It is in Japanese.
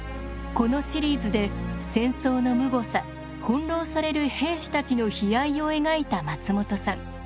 このシリーズで戦争のむごさ翻弄される兵士たちの悲哀を描いた松本さん。